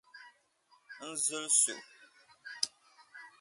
N zilisi o.